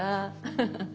ハハハッ。